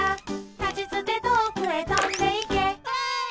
「たちつてとおくへとんでいけ」わい！